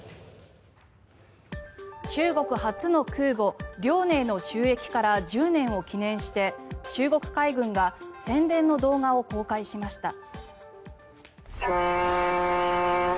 中国初の空母「遼寧」の就役から１０年を記念して中国海軍が宣伝の動画を公開しました。